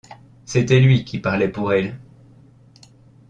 C’était lui qui parlait pour elle.